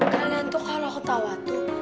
kalian tuh kalau ketawa tuh